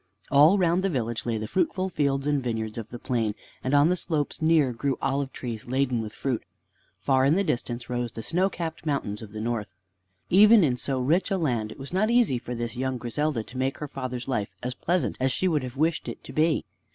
All round the village lay the fruitful fields and vineyards of the plain, and on the slopes near grew olive trees laden with fruit. Far in the distance rose the snow capped mountains of the North. Even in so rich a land it was not easy for this young Griselda to make her father's life as pleasant as she would have wished it to be.